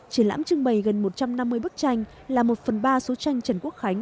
triển lãm trưng bày gần một trăm năm mươi bức tranh là một phần ba số tranh trần quốc khánh